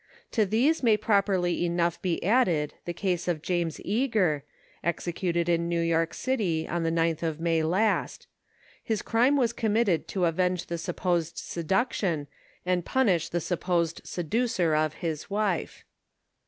To these may properly enough be added the case of James 69 "^ Eager, executed in New York city on the 9th of May last. His crime was committed to avenge the supposed seduction, and punish the supposed seducer of his wife.